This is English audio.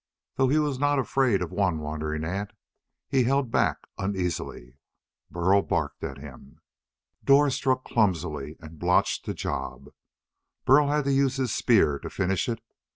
Though he was not afraid of one wandering ant, he held back uneasily. Burl barked at him. Dor struck clumsily and botched the job. Burl had to use his spear to finish it.